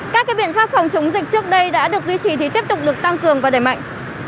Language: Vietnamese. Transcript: các biện pháp phòng chống dịch trước đây đã được duy trì thì tiếp tục được tăng cường và đẩy mạnh